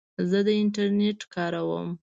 زه د انټرنیټ کاروم.